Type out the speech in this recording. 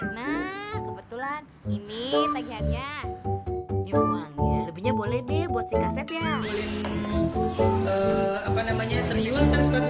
nah kebetulan ini tanya tanya lebihnya boleh di bosi bosi apa namanya serius